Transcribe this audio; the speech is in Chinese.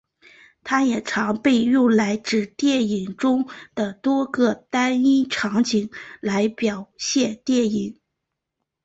它也常被用来指电影中的多个单一场景来表现电影。